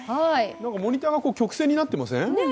モニターが曲線になってません？